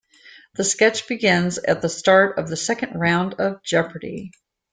The sketch begins at the start of the second round of Jeopardy!